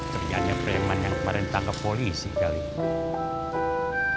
ternyata preman yang kemarin tangkap polisi kali ini